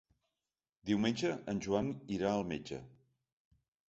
Diumenge en Joan irà al metge.